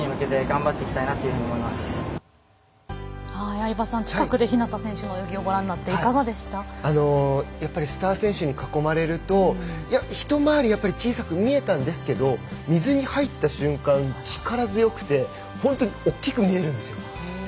相葉さん近くで日向選手の泳ぎをご覧になってやっぱりスター選手に囲まれると一回りやっぱり小さく見えたんですけれど水に入った瞬間、力強くて本当に大きく見えるんです。